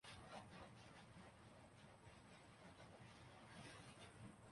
جب غیر مجازافراد سے صادر ہونے والے قانونی فیصلوں کو حکومتی سرپرستی کے بغیر نافذ کرنے کی کوشش کی جاتی ہے